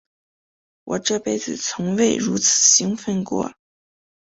我这辈子从未如此兴奋过。